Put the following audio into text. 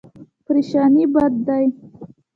پریشاني بد دی.